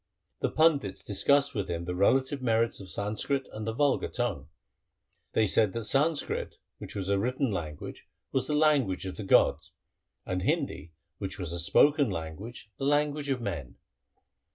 2 The pandits discussed with him the relative merits of Sanskrit and the vulgar tongue. They said that Sanskrit, which was a written language, was the language of the gods, and Hindi, which was a spoken language, the language of men.